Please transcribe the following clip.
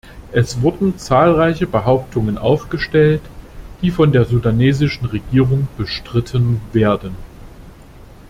Es wurden zahlreiche Behauptungen aufgestellt, die von der sudanesischen Regierung bestritten werden.